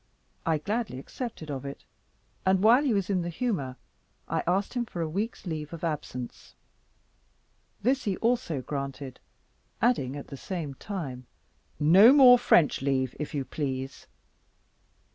I gladly accepted of it; and while he was in the humour, I asked him for a week's leave of absence; this he also granted, adding, at the same time, "No more French leave, if you please."